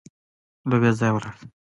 له دې ځايه ولاړ سئ